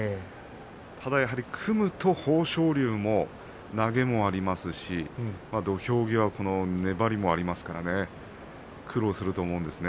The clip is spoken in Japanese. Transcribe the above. ただ、やはり組むと豊昇龍は投げもありますし土俵際、粘りもありますから苦労すると思うんです。